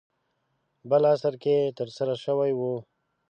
بل عصر کې ترسره شوی و.